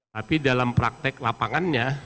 tapi dalam praktek lapangannya